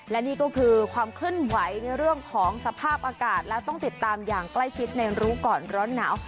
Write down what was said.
และนี่ก็คือความเคลื่อนไหวในเรื่องของสภาพอากาศและต้องติดตามอย่างใกล้ชิดในรู้ก่อนร้อนหนาว